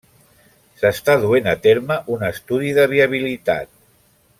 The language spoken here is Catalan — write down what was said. S'està duent a terme un estudi de viabilitat.